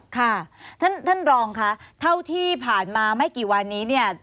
ค่ะท่านรองค่ะเท่าที่ผ่านมาไม่กี่วันนี้เนี่ย